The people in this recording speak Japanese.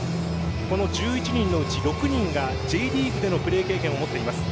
１１人のうち６人がＪリーグでのプレー経験を持っています。